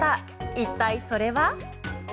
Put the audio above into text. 一体、それは？